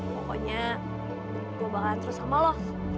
pokoknya gue bakalan terus sama love